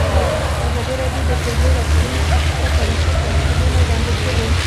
ازادي راډیو د د جګړې راپورونه په اړه تاریخي تمثیلونه وړاندې کړي.